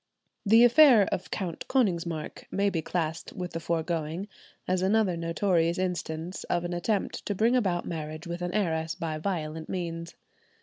The affair of Count Konigsmark may be classed with the foregoing, as another notorious instance of an attempt to bring about marriage with an heiress by violent means.